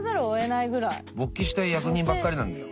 勃起したい役人ばっかりなんだよ。